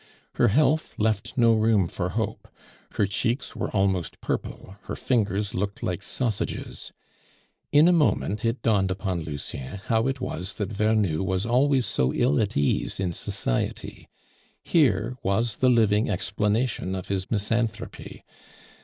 Her health left no room for hope; her cheeks were almost purple; her fingers looked like sausages. In a moment it dawned upon Lucien how it was that Vernou was always so ill at ease in society; here was the living explanation of his misanthropy.